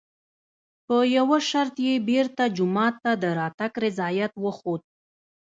په یوه شرط یې بېرته جومات ته د راتګ رضایت وښود.